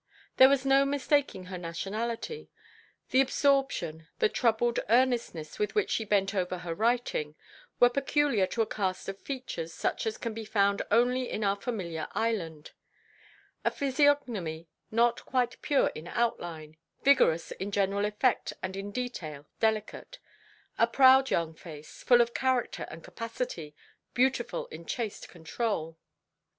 There was no mistaking her nationality; the absorption, the troubled earnestness with which she bent over her writing, were peculiar to a cast of features such as can be found only in our familiar island; a physiognomy not quite pure in outline, vigorous in general effect and in detail delicate; a proud young face, full of character and capacity, beautiful in chaste control.